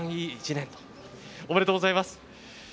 おめでとうございます。